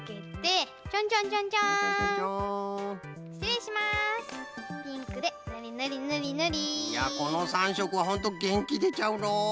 いやこの３しょくはホントげんきでちゃうのう。